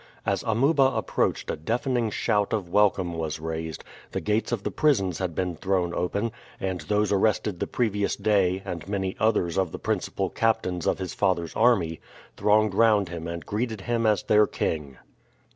As Amuba approached a deafening shout of welcome was raised; the gates of the prisons had been thrown open, and those arrested the previous day, and many others of the principal captains of his father's army, thronged round him and greeted him as their king.